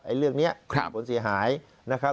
เรื่องนี้ผลเสียหายนะครับ